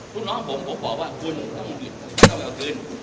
คุณน้องผมผมบอกว่าคุณน้องผู้หญิงอย่าไปเอาคืน